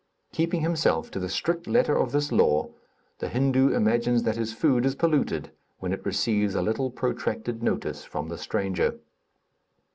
Keeping himself to the strict letter of this law, the Hindu imagines that his food is polluted when it receives a little protracted notice from the stranger.